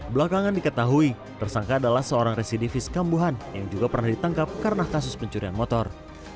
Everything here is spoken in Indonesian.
belakangan diketahui tersangka adalah seorang residivis kambuhan yang juga pernah ditangkap karena kasus pencurian motor